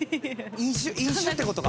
飲酒ってことか？